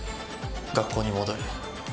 学校に戻る。